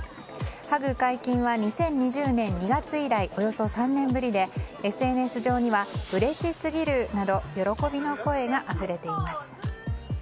ハグ解禁は、２０２０年２月以来およそ３年ぶりでＳＮＳ上にはうれしすぎる！など喜びの声があふれています。